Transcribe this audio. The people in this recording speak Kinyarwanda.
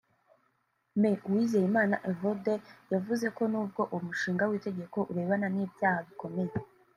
Me Uwizeyimana Evode yavuze ko nubwo uwo mushinga w’Itegeko urebana n’ibyaha bikomeye